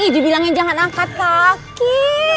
iduh bilangnya jangan angkat kaki